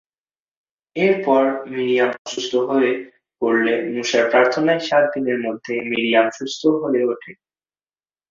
এরপর মিরিয়াম অসুস্থ হয়ে পরলে মুসার প্রার্থনায় সাত দিনের মধ্যে মিরিয়াম সুস্থ হয়ে ওঠে।